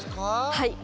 はい。